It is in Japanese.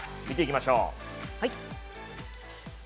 見ていきましょう。